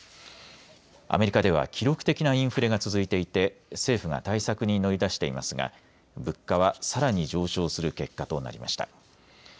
アメリカでは記録的なインフレが続いていて政府が対策に乗り出していますが物価はさらに上昇する結果となりました。